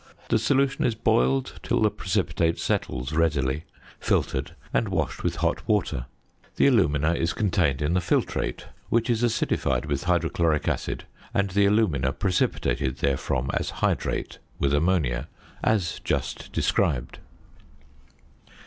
The solution is boiled till the precipitate settles readily, filtered, and washed with hot water. The alumina is contained in the filtrate, which is acidified with hydrochloric acid and the alumina precipitated therefrom as hydrate with ammonia, as just described.